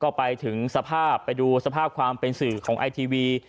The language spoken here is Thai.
ก็ไปถึงสภาพไปดูสภาพความเป็นสื่อของไอทีวี